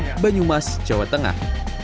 kemudian pembayaran dari pemerintah jawa tengah